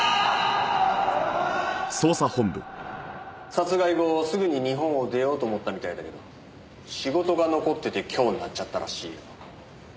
殺害後すぐに日本を出ようと思ったみたいだけど仕事が残ってて今日になっちゃったらしいよ。